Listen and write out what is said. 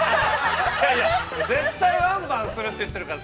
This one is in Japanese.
◆いやいや、絶対ワンバウンドするって言っているから。